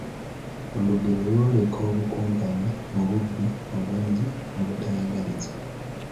olugero lwoleka obukumpanya, obubbi, obwenzi, obutayagaliza